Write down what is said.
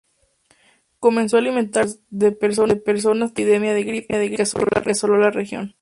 Comenzó a alimentarse de personas tras una epidemia de gripe que asoló la región.